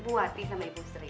bu wati sama ibu sri